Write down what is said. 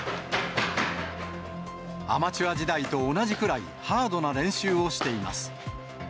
アマチュア時代と同じくらいハードな練習をしています。